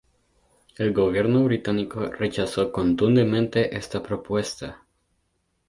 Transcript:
El Gobierno británico rechazó contundentemente esta propuesta.